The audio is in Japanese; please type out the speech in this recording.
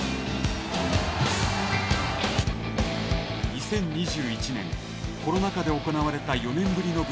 ２０２１年、コロナ禍で行われた４年ぶりの武道館。